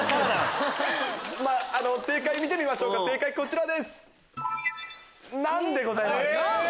正解見てみましょうこちらです。